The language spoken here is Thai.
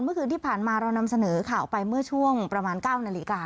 เมื่อคืนที่ผ่านมาเรานำเสนอข่าวไปเมื่อช่วงประมาณ๙นาฬิกา